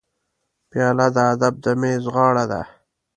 پیاله د ادب د میز غاړه ده.